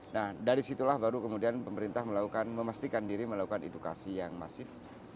nah dari situlah baru kemudian pemerintah melakukan memastikan diri melakukan edukasi yang masif